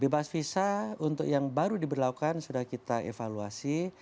bebas visa untuk yang baru diberlakukan sudah kita evaluasi